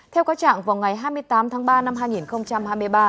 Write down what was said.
theo các trạng vào ngày hai mươi tám tháng ba năm hai nghìn hai mươi ba